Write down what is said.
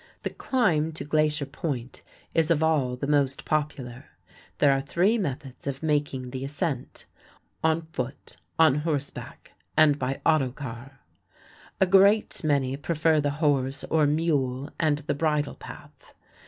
The climb to Glacier Point is of all the most popular. There are three methods of making the ascent on foot, on horseback, and by auto car. A great many prefer the horse or mule and the bridle path.